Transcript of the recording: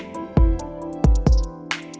vợ lá giá có